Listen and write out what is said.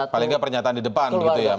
paling tidak pernyataan di depan